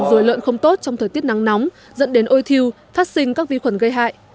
rồi lợn không tốt trong thời tiết nắng nóng dẫn đến ôi thiêu phát sinh các vi khuẩn gây hại